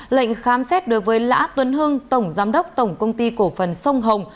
lệnh khám xét đối với lã tuấn hưng tổng giám đốc tổng công ty cổ phần sông hồng